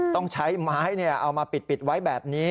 ต้องใช้ไม้เอามาปิดไว้แบบนี้